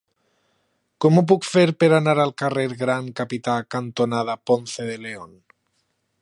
Com ho puc fer per anar al carrer Gran Capità cantonada Ponce de León?